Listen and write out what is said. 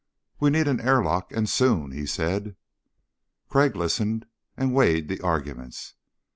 "We need an airlock, and soon," he said. Crag listened and weighed the arguments.